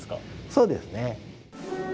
そうですね。